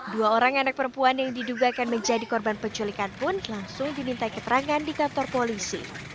dua orang anak perempuan yang diduga akan menjadi korban penculikan pun langsung diminta keterangan di kantor polisi